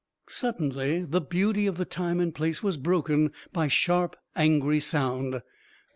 Suddenly the beauty of the time and place was broken by sharp, angry sound.